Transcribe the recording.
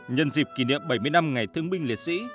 nhân dịp kỷ niệm bảy mươi năm ngày thương binh liệt sĩ